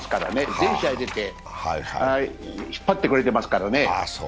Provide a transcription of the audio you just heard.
全試合出て、引っ張ってくれていますからね。